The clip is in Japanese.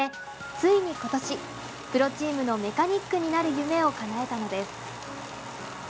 ついに今年、プロチームのメカニックになる夢をかなえたのです。